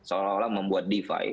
seolah olah membuat defi